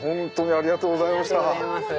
ありがとうございます。